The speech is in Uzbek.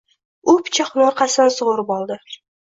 U pichoqni orqasidan sug‘urib oldi.